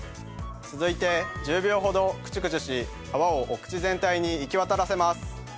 続いて１０秒ほどクチュクチュし泡をお口全体に行きわたらせます。